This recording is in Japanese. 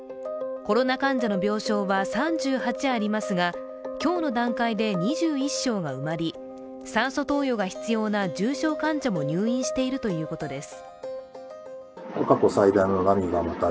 コロナ患者の病床は３８ありますが今日の段階で２１床が埋まり、酸素投与が必要な重症患者も入院しているということです。